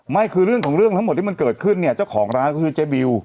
ไม่คือเรื่องของเรื่องทั้งหมดที่มันเกิดขึ้นเนี่ยเจ้าของร้านก็คือเจ๊บิว